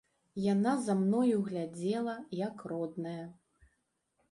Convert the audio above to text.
Яна за мною глядзела, як родная.